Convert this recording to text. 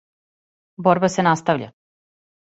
Борба се наставља.